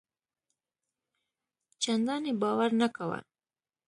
چنداني باور نه کاوه.